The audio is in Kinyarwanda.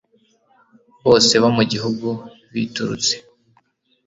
bose bo mu gihugu biturutse